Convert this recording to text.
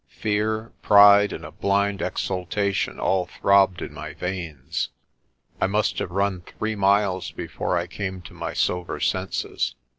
Fear, pride, and a blind exultation all throbbed in my veins. I must have run three miles before I came to my sober senses.